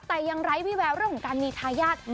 แต่ยังไร้วิแววเรื่องของการมีทายาท